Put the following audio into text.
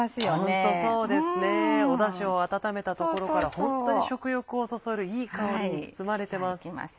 ホントそうですねだしを温めたところからホントに食欲をそそるいい香りに包まれてます。